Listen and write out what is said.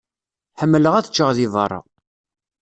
Ḥemmleɣ ad ččeɣ di berra.